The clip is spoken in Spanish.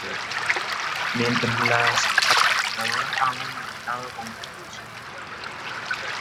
Mientras las administradoras han aumentado con creces sus utilidades.